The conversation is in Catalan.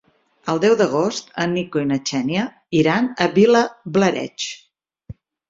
El deu d'agost en Nico i na Xènia iran a Vilablareix.